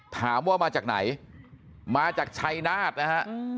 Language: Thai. ถามว่ามาจากไหนมาจากชัยนาฏนะฮะ